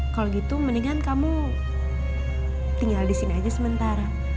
kalau gitu mendingan kamu tinggal di sini aja sementara